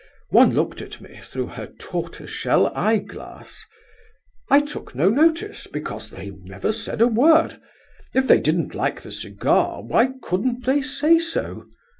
One looked at me through her tortoise shell eyeglass. "I took no notice, because they never said a word. If they didn't like the cigar, why couldn't they say so?